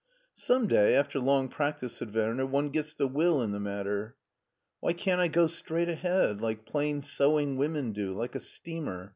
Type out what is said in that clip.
" Some day, after long practice," said Werner, " one gets the will in the matter." " Why can't I go straight ahead like plain sewing women do, like a steamer?